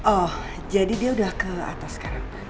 oh jadi dia udah ke atas sekarang